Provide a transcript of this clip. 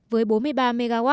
với bốn mươi ba mw